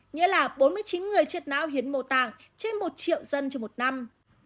nghĩa là bốn mươi chín người chết náo hiến mô tạng trên một triệu dân trong một năm